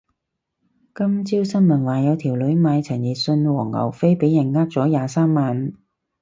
今朝新聞話有條女買陳奕迅黃牛飛俾人呃咗廿三萬